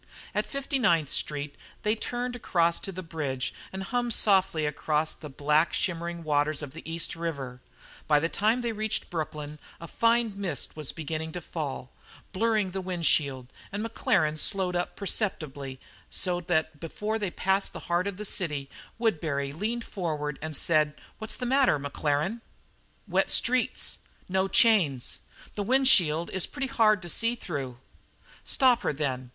At Fifty Ninth Street they turned across to the bridge and hummed softly across the black, shimmering waters of the East River; by the time they reached Brooklyn a fine mist was beginning to fall, blurring the wind shield, and Maclaren slowed up perceptibly, so that before they passed the heart of the city, Woodbury leaned forward and said: "What's the matter, Maclaren?" "Wet streets no chains this wind shield is pretty hard to see through." "Stop her, then.